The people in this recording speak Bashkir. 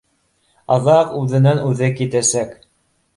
Аҙаҡ үҙенән-үҙе китәсәк